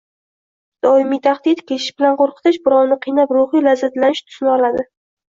Doimiy tahdid, ketish bilan qo‘rqitish birovni qiynab ruhiy lazzatlanish tusini oladi.